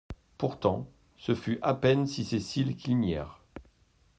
Pourtant, ce fut à peine si ses cils clignèrent.